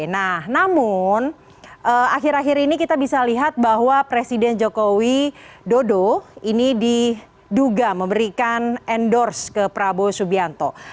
nah namun akhir akhir ini kita bisa lihat bahwa presiden joko widodo ini diduga memberikan endorse ke prabowo subianto